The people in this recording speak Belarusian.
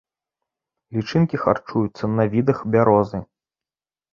Лічынкі харчуюцца на відах бярозы.